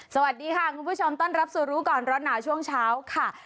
สวัสดีค่ะคุณผู้ชมต้อนรับสู่รู้ก่อนร้อนหนาวช่วงเช้าค่ะ